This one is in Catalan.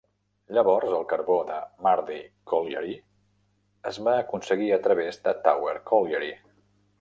Llavors el carbó de Mardy Colliery es va aconseguir a través de Tower Colliery.